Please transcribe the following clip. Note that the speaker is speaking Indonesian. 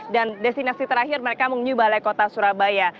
dan destinasi terakhir mereka mengunjungi balai kota surabaya